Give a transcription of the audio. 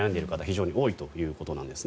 非常に多いということです。